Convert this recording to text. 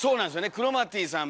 クロマティさん